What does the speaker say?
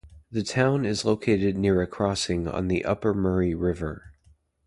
The town is located near a crossing on the upper Murray River.